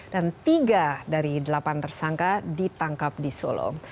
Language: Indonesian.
dan tiga dari delapan tersangka ditangkap di solo